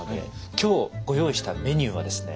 今日ご用意したメニューはですね